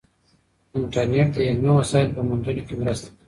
انټرنیټ د علمي وسایلو په موندلو کې مرسته کوي.